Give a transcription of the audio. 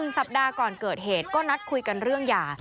สัปดาห์ก่อนเกิดเหตุก็นัดคุยกันเรื่องหย่า